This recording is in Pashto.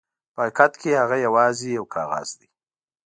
په حقیقت کې هغه یواځې یو کاغذ دی.